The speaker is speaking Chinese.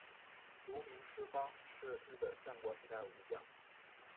芦名氏方是日本战国时代武将。